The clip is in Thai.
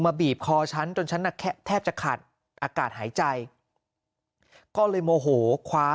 บีบคอฉันจนฉันน่ะแทบจะขาดอากาศหายใจก็เลยโมโหคว้า